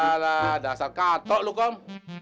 alah dah selesai katok lo kom